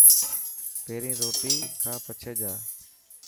پهرين روٽي کا پڇي جا.